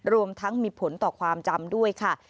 รวมทั้งมีผลต่อความจำด้วยค่ะ